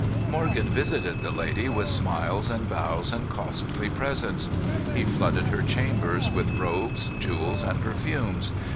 Morgan visited the lady with smiles and bows and costly presents. He flooded her chamber with robes, jewels, and perfumes.